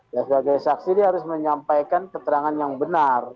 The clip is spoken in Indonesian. dan sebagai saksi dia harus menyampaikan keterangan yang benar